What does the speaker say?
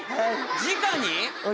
じかに？